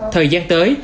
thời gian tới